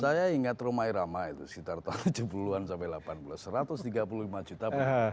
saya ingat rumah irama itu sekitar tahun tujuh puluh an sampai delapan puluh satu ratus tiga puluh lima juta